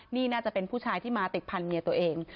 นี่น่าจะเป็นผู้ชายที่มาติดพันธเมียตัวเอง